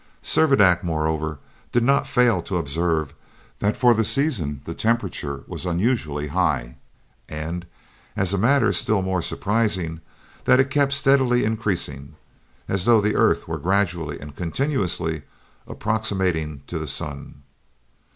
Servadac, moreover, did not fail to observe that for the season the temperature was unusually high; and, as a matter still more surprising, that it kept steadily increasing, as though the earth were gradually and continuously approximating to the sun.